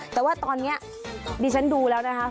แต่ว่าตอนนี้ดิฉันดูแล้วนะคะ